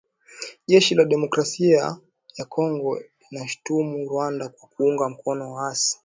Jeshi la Demokrasia ya Kongo linaishutumu Rwanda kwa kuunga mkono waasi